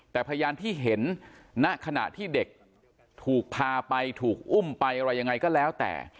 แต่พยานที่เห็นณขณะที่เด็กถูกพาไปถูกอุ้มไปอะไรยังไงก็แล้วแต่